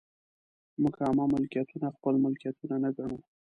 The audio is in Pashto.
موږ عامه ملکیتونه خپل ملکیتونه نه ګڼو.